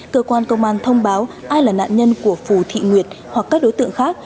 cơ quan công an thông báo ai là nạn nhân của phù thị nguyệt hoặc các đối tượng khác